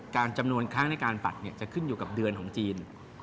จำนวนครั้งในการปัดจะขึ้นอยู่กับเดือนของจีน